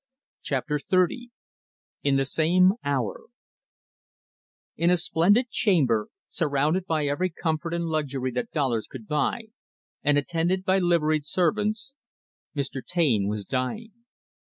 Chapter XXX In the Same Hour In a splendid chamber, surrounded by every comfort and luxury that dollars could buy, and attended by liveried servants, Mr. Taine was dying.